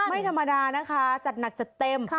ไม่ธรรมดานะคะจัดหนักจัดเต็ม